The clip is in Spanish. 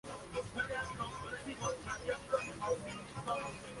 El juego es actualmente "freemium", y de sencilla jugabilidad.